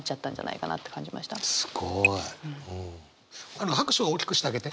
あの拍手は大きくしてあげて。